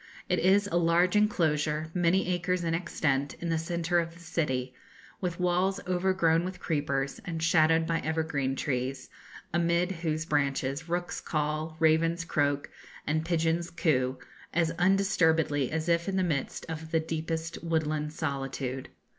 It is a large enclosure, many acres in extent, in the centre of the city, with walls overgrown with creepers, and shadowed by evergreen trees, amid whose branches rooks caw, ravens croak, and pigeons coo, as undisturbedly as if in the midst of the deepest woodland solitude.